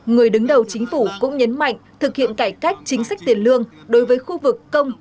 người đứng đầu chính phủ cũng nhấn mạnh thực hiện cải cách chính sách tiền lương đối với khu vực công